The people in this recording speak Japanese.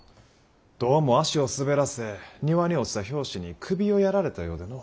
どうも足を滑らせ庭に落ちた拍子に首をやられたようでの。